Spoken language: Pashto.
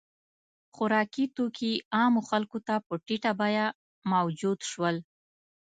• خوراکي توکي عامو خلکو ته په ټیټه بیه موجود شول.